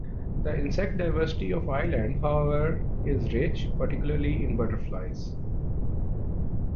The insect diversity of the island, however, is rich, particularly in butterflies.